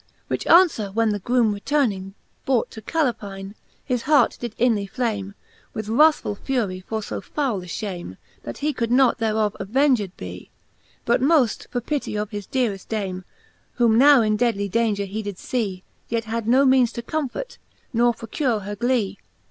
Which anfwer when the groome returning brough^ To CaUplne^ his heart did inly flame With wrathfuU fury for fo foule a ihams, " That he could not thereof avenged bee: But moft for pitty of his deareft Dame, Whom now in deadly daunger he did lee ; Yet had no meanes to comfort, nor procure her glee.